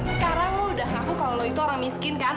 sekarang lo udah ngaku kalau lo itu orang miskin kan